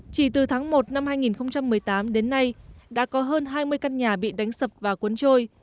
chỉ từ tháng một năm hai nghìn một mươi tám đến nay đã có hơn hai mươi căn nhà bị đánh sập và cuốn trôi